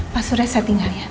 pasurnya saya tinggal ya